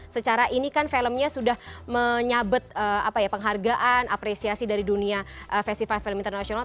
secara ini kan filmnya sudah menyabet penghargaan apresiasi dari dunia festival film internasional